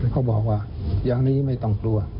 เขาบอกว่าอย่างนี้ไม่ต้องกลัว